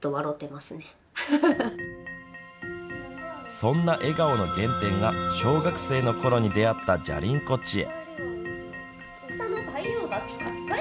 そんな笑顔の原点が小学生のころに出会ったじゃりン子チエ。